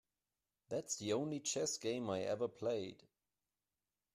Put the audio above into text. That's the only chess game I ever played.